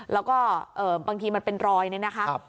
แล้วก็บางทีมันเป็นรอยเนี่ยนะคะ